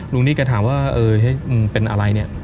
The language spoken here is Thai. ลุงนิดแกถามว่าเออเป็นอะไรเนี่ย